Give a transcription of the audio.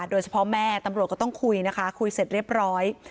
แม่ตำรวจก็ต้องคุยนะคะคุยเสร็จเรียบร้อย